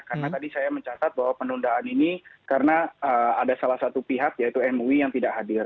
karena tadi saya mencatat bahwa penundaan ini karena ada salah satu pihak yaitu mui yang tidak hadir